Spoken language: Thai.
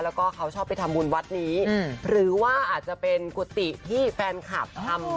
แล้วก็เขาชอบไปทำบุญวัดนี้หรือว่าอาจจะเป็นกุฏิที่แฟนคลับทำ